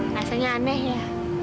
rasanya aneh ya